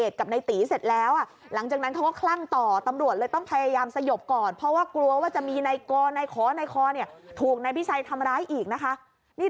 ตอนอยู่ในรถคุณลุงมาทำอะไรที่นี่